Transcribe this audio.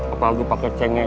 apalagi pakai cengek